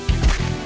saya yang menang